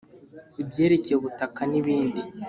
ibyerekeye ubutaka, n’ibindi